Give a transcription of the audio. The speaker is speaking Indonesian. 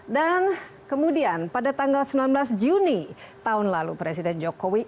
dan kemudian pada tanggal sembilan belas juni tahun lalu presiden jokowi